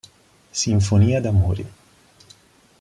Sinfonia d'amore